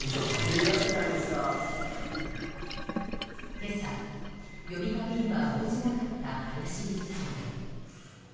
今朝、呼びかけには応じなかった林理事長。